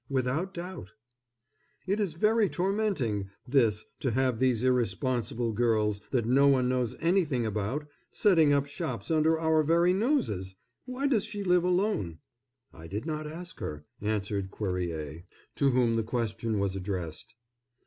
"Without doubt." "It is very tormenting, this, to have these irresponsible girls, that no one knows anything about, setting up shops under our very noses. Why does she live alone?" "I did not ask her," answered Cuerrier, to whom the question was addressed.